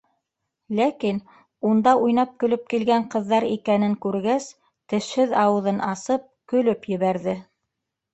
Ләкин унда уйнап-көлөп килгән ҡыҙҙар икәнен күргәс, тешһеҙ ауыҙын асып көлөп ебәрҙе.